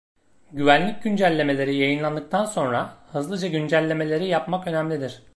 Güvenlik güncellemeleri yayınlandıktan sonra hızlıca güncellemeleri yapmak önemlidir.